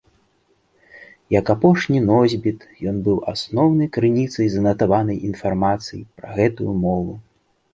Як апошні носьбіт, ён быў асноўнай крыніцай занатаванай інфармацыі пра гэтую мову.